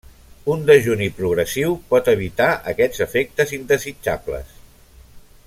Un dejuni progressiu pot evitar aquests efectes indesitjables.